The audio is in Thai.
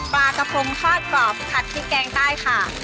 ปลากระพงทอดกรอบผัดพริกแกงใต้ค่ะ